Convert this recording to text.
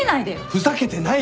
ふざけてないよ！